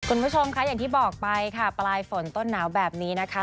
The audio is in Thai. คุณผู้ชมค่ะอย่างที่บอกไปค่ะปลายฝนต้นหนาวแบบนี้นะคะ